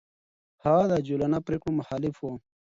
هغه د عجولانه پرېکړو مخالف و.